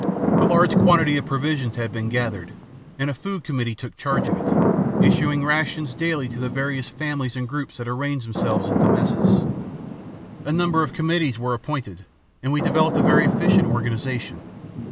"A large quantity of provisions had been gathered, and a food committee took charge of it, issuing rations daily to the various families and groups that arranged themselves into messes. A number of committees were appointed, and we developed a very efficient organization.